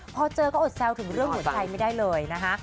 พอเจอก็อดแซวถึงเรื่องบุญชายได้เลยนะคะ